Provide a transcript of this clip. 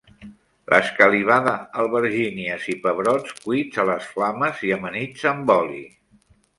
L'escalivada albergínies i pebrots cuits a les flames i amanits amb oli.